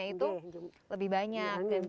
iya untuk men geographic teks yang penat